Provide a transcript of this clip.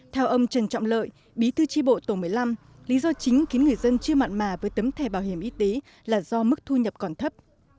theo ông trần trọng lợi bí thư tri bộ tổ một mươi năm lý do chính khiến người dân chưa mặn mà với tấm thẻ bảo hiểm y tế là do mức thu nhập còn thấp